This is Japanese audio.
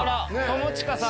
友近さん